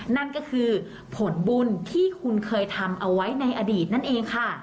นั่นก็คือผลบุญที่คุณเคยทำเอาไว้ในอดีตนั่นเองค่ะ